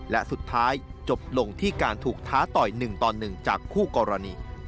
และสุดท้ายจบลงที่การถูกท้าต่อย๑ต่อ๑จากคู่กรณี